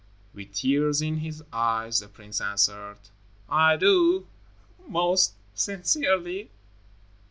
With tears in his eyes, the prince answered, "I do, most sincerely."